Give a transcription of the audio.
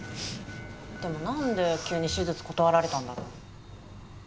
でもなんで急に手術断られたんだろう？